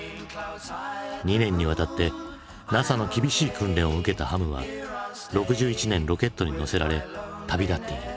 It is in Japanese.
２年にわたってＮＡＳＡの厳しい訓練を受けたハムは６１年ロケットに乗せられ旅立っている。